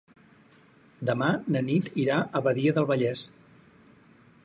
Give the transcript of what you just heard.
Demà na Nit irà a Badia del Vallès.